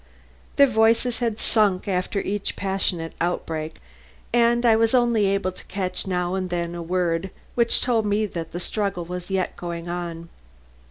Their voices had sunk after each passionate outbreak, and I was only able to catch now and then a word which told me that the struggle was yet going on.